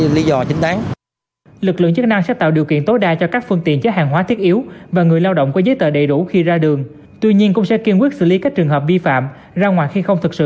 lực lượng chức năng thông qua mã qr trên giấy nhận diện